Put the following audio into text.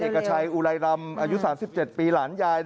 เอกชัยอุไรรำอายุ๓๗ปีหลานยาย